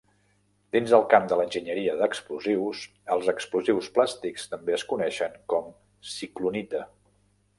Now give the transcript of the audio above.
Dins el camp de l'enginyeria d'explosius, els explosius plàstics també es coneixen com ciclonita.